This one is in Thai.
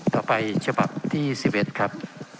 ต่อไปฉบับที่๑๑ครับ